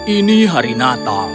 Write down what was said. ini hari natal